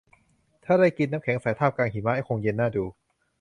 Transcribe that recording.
ถ้าได้กินน้ำแข็งใสท่ามกลางหิมะคงเย็นน่าดู